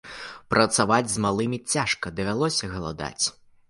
Працаваць з малымі цяжка давялося, галадаць.